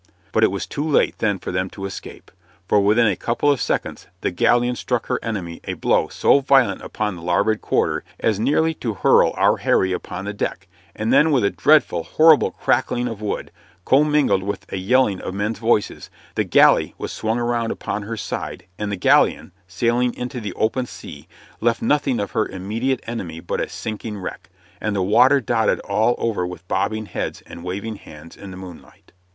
But it was too late then for them to escape, for within a couple of seconds the galleon struck her enemy a blow so violent upon the larboard quarter as nearly to hurl our Harry upon the deck, and then with a dreadful, horrible crackling of wood, commingled with a yelling of men's voices, the galley was swung around upon her side, and the galleon, sailing into the open sea, left nothing of her immediate enemy but a sinking wreck, and the water dotted all over with bobbing heads and waving hands in the moonlight.